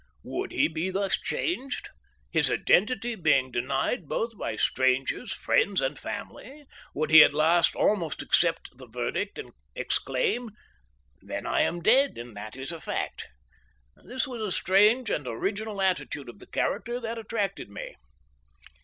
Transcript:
Would he be thus changed? His identity being denied both by strangers, friends, and family, would he at last almost accept the verdict and exclaim, "Then I am dead, and that is a fact?" This was the strange and original attitude of the character that attracted me.